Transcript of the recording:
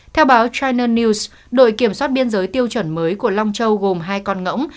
theo báo china news đội kiểm soát biên giới tiêu chuẩn mới của long châu gồm hai con ngỗng